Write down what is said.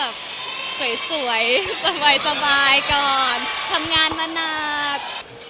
เขาแบบสวยสบายก่อนทำงานมานัก